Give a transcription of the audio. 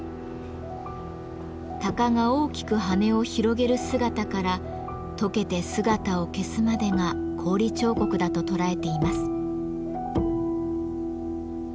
鷹が大きく羽を広げる姿からとけて姿を消すまでが氷彫刻だと捉えています。